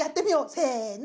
せの！